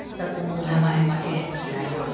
名前負けしないように。